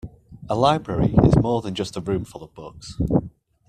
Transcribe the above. A library is more than just a room full of books